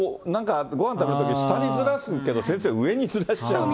ごはん食べるとき、下にずらすけど、先生、上にずらしちゃうんだ。